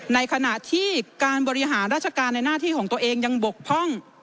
ในขณะที่การบริหารราชการในหน้าที่ของตัวเองยังบกพร่อง